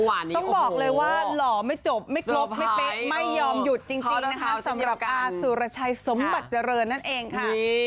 ต้องบอกเลยว่าหล่อไม่จบไม่ครบไม่เป๊ะไม่ยอมหยุดจริงนะคะสำหรับอาสุรชัยสมบัติเจริญนั่นเองค่ะ